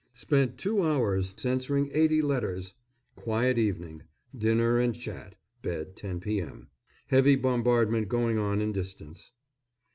Spent two hours censoring eighty letters! Quiet evening. Dinner and chat; bed 10 p.m. Heavy bombardment going on in distance.